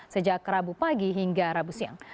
sejak rabu pagi hingga rabu siang